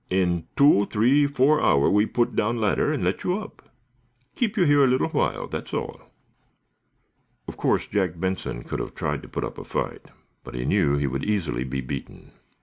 In two, three, four hour we put down ladder and let you up. Keep you here little while; that's all." Of course Jack Benson could have tried to put up a fight, but he knew he would easily be beaten.